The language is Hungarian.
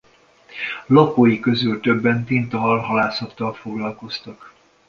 Lakói közül többen tintahal-halászattal foglalkoztak.